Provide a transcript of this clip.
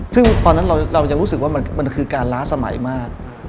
ซึ่งตอนนั้นเรายังรู้สึกว่ามันคือการล้าสมัยมาก